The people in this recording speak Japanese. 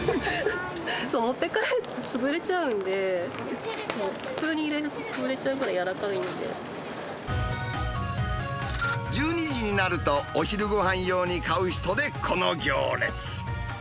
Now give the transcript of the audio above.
持って帰ると潰れちゃうんで、普通に入れると潰れちゃうぐらい１２時になると、お昼ごはん用に買う人でこの行列。